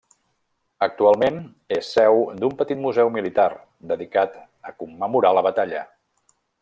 Actualment és seu d'un petit museu militar dedicat a commemorar la batalla.